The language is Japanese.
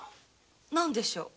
何でしょう？